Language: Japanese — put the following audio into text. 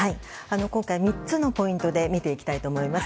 今回３つのポイントで見ていきたいと思います。